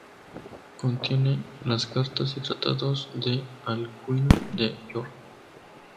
Contiene las cartas y tratados de Alcuino de York.